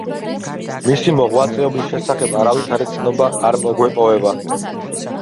მისი მოღვაწეობის შესახებ არავითარი ცნობა არ მოგვეპოვება.